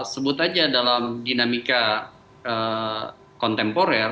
sebut aja dalam dinamika kontemporer